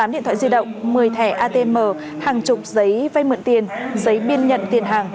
một mươi điện thoại di động một mươi thẻ atm hàng chục giấy vay mượn tiền giấy biên nhận tiền hàng